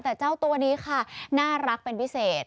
แต่เจ้าตัวนี้ค่ะน่ารักเป็นพิเศษ